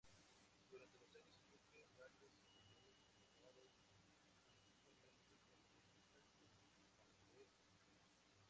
Durante los años siguientes, varios escritores colaboraron asiduamente con la revista, como Margaret St.